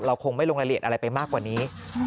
เราคงไม่ลงละเลียดอะไรไปมากกว่านี้